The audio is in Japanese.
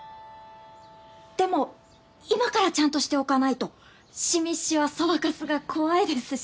でも今からちゃんとしておかないと染みしわそばかすが怖いですし。